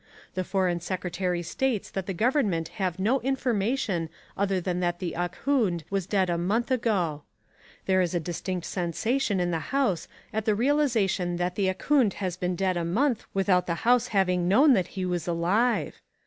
The foreign secretary states that the government have no information other than that the Ahkoond was dead a month ago. There is a distinct sensation in the House at the realisation that the Ahkoond has been dead a month without the House having known that he was alive.